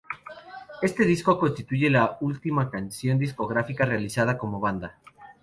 Este disco constituye la última producción discográfica realizada como banda.